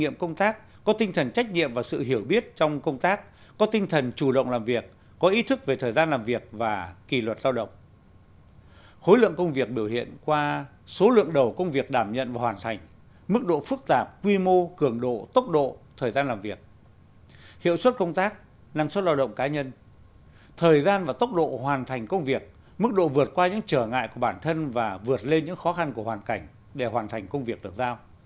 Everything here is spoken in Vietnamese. mức độ vượt qua những trở ngại của bản thân và vượt lên những khó khăn của hoàn cảnh để hoàn thành công việc được giao